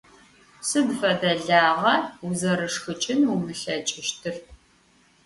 Сыд фэдэ лагъа узэрышхыкӀын умылъэкӀыщтыр?